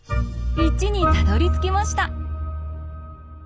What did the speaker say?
１にたどりつきました。